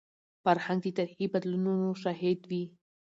فرهنګ د تاریخي بدلونونو شاهد وي.